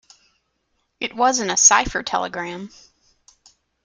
It wasn't a cipher telegram.